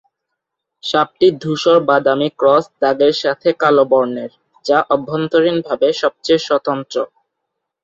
সাপটি ধূসর-বাদামি ক্রস দাগের সাথে কালো বর্ণের, যা অভ্যন্তরীণভাবে সবচেয়ে স্বতন্ত্র।